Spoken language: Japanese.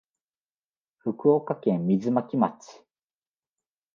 福岡県水巻町